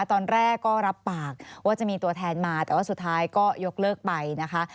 ตอนแรกก็รับปากว่าจะมีตัวแทนมาแต่ว่าสุดท้ายก็ยกเลิกไปนะคะ